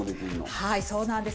はいそうなんです。